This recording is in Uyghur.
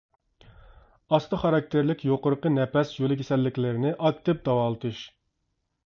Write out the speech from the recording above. ئاستا خاراكتېرلىك يۇقىرىقى نەپەس يولى كېسەللىكلىرىنى ئاكتىپ داۋالىتىش.